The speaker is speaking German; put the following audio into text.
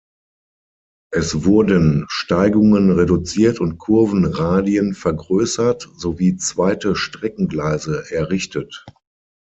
Es wurden Steigungen reduziert und Kurvenradien vergrößert sowie zweite Streckengleise errichtet.